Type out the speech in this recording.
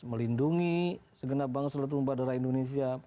melindungi segenap bangsa dan tumpah darah indonesia